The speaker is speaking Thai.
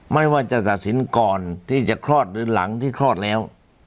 ไม่ว่าจะตัดสินก่อนที่จะคลอดหรือหลังที่คลอดแล้ว